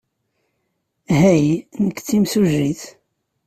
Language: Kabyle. Hey, nekk d timsujjit.